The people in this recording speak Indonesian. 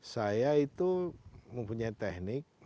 saya itu mempunyai teknik